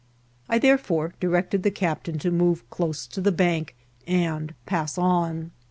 I therefore di rected the captain to move close to the bank and pass on.